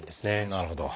なるほど。